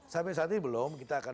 sampai saat ini belum kita akan